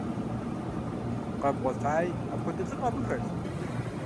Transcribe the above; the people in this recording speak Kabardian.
Къэбгъуэтаи, апхуэдэ лӀыгъэ абы хэлъ?